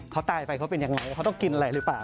เขาตายไปเขาเป็นยังไงเขาต้องกินอะไรหรือเปล่า